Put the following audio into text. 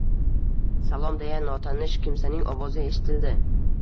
Salom, deya notanish kimsaning ovozi eshitildi